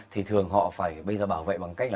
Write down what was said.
thì thường họ phải bảo vệ bằng cách